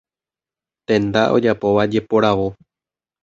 Tenda ojapóva jeporavo.